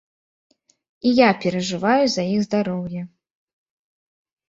І я перажываю за іх здароўе.